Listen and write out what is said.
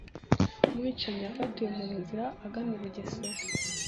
Umwicanyi yafatiwe munzira agana I bugesera